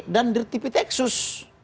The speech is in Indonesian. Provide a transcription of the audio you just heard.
dan dirtipi texas